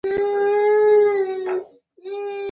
خلکو به جنایتکاره بانډونو ته ټاکلې اندازه پیسې ورکولې.